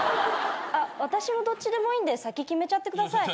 あっ私もどっちでもいいんで先決めちゃってください。